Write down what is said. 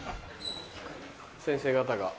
先生方が。